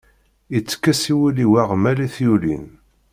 Itekkes i wul-iw aɣmal i t-yulin.